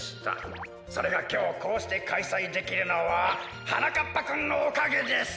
それがきょうこうしてかいさいできるのははなかっぱくんのおかげです！